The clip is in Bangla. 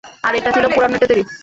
আর এটা ছিল পোড়ানো ইটের তৈরী।